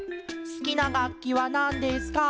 「すきながっきはなんですか？